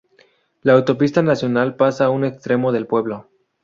La autopista nacional pasa a un extremo del pueblo.